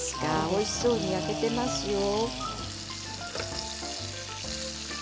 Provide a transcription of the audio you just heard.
おいしそうに焼けていますよ。